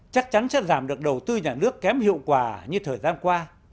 chắc chắn sẽ giảm được đầu tư nhà nước kém hiệu quả như thời gian qua